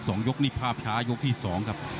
สองยกนี้พาพชาวีนยกที่สองครับ